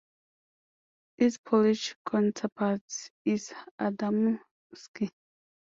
Its Polish counterpart is Adamowski.